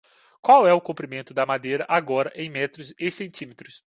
Qual é o comprimento da madeira agora em metros e centímetros?